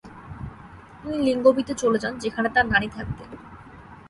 তিনি লিংগবিতে চলে যান, যেখানে তার নানি থাকতেন।